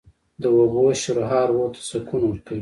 د اوبو شرهار روح ته سکون ورکوي